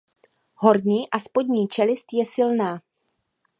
Horní a spodní čelist je silná.